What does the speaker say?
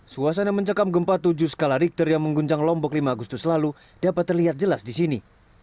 suasana mencekam gempa tujuh skala richter yang mengguncang lombok lima agustus lalu dapat terlihat jelas di sini